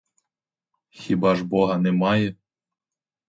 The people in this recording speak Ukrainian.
Хіба ж бога немає?